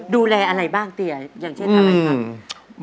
ดูแลอะไรบ้างเตี๋ยอย่างเช่นอะไรครับ